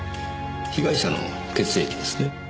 被害者の血液ですね。